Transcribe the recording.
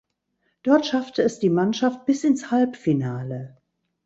Dort schaffte es die Mannschaft bis ins Halbfinale.